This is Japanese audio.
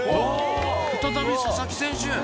再び佐々木選手！